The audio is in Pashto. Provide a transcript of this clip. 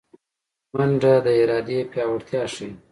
منډه د ارادې پیاوړتیا ښيي